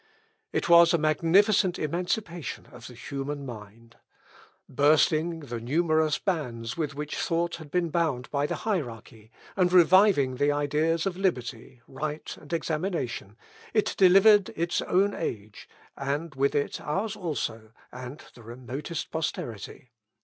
It was a magnificent emancipation of the human mind. Bursting the numerous bands with which thought had been bound by the hierarchy, and reviving the ideas of liberty, right, and examination, it delivered its own age, and with it ours also, and the remotest posterity.